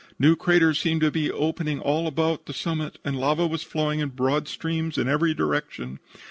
New craters seemed to be opening all about the summit and lava was flowing in broad streams in every direction.